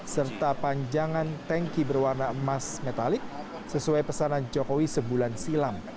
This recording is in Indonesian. serta panjangan tanki berwarna emas metalik sesuai pesanan jokowi sebulan silam